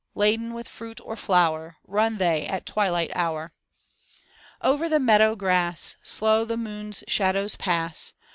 Laden with fruit or flower Run they at twilight hour. Over the meadow grass Slow the moon's shadows pass.